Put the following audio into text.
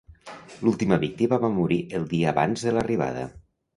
L'última víctima va morir el dia abans de l'arribada.